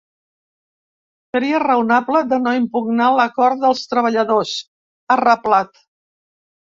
Seria raonable de no impugnar l’acord dels treballadors, ha reblat.